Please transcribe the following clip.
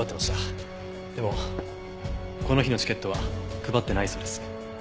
でもこの日のチケットは配ってないそうです。